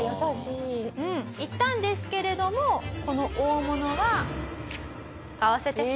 言ったんですけれどもこの大物は。